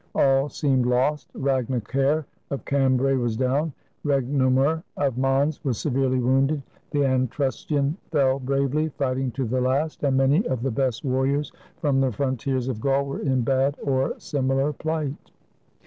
All seemed lost. Ragnacair of Cambray was down, Regnomer of Mans was severely wounded, the Antrustion fell bravely, fighting to the last, and many of the best warriors from the frontiers of Gaul were in bad or similar plight.